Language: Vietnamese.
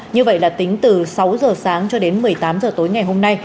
như vậy là tính từ sáu giờ sáng cho đến một mươi tám h tối ngày hôm nay